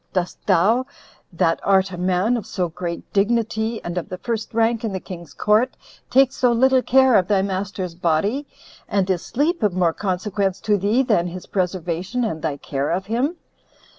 Dost thou, that art a man of so great dignity, and of the first rank in the king's court, take so little care of thy master's body? and is sleep of more consequence to thee than his preservation, and thy care of him?